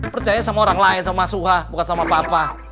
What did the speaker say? percaya sama orang lain sama suha bukan sama papa